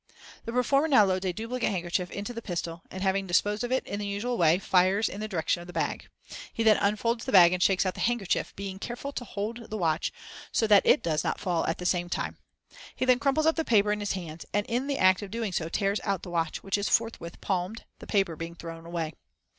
The performer now loads a duplicate handkerchief into the pistol, and, having disposed of it in the usual way, fires in the direction of the bag. He then unfolds the bag and shakes out the handkerchief, being careful to hold the watch so that it does not fall at the same time. He then crumples up the paper in his hands, and in the act of doing so tears out the watch, which is forthwith palmed, the paper being thrown away.